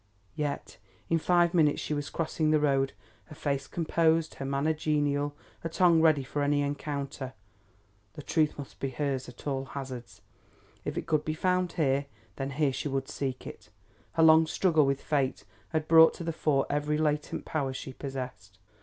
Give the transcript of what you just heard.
Yet in five minutes she was crossing the road, her face composed, her manner genial, her tongue ready for any encounter. The truth must be hers at all hazards. If it could be found here, then here would she seek it. Her long struggle with fate had brought to the fore every latent power she possessed.